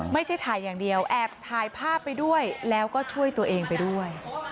ไม่ใช่ถ่ายอย่างเดียวแอบถ่ายภาพไปด้วยแล้วก็ช่วยตัวเองไปด้วย